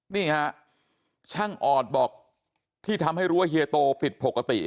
นี่ฮะช่างออดบอกที่ทำให้รู้ว่าเฮียโตผิดปกติ